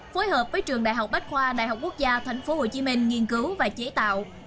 phối hợp với trường đại học bách khoa đại học quốc gia tp hcm nghiên cứu và chế tạo